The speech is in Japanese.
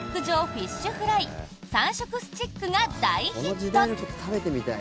フィッシュフライ三色スチックが大ヒット。